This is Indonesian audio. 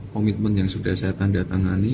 komitmen yang sudah saya tanda tangani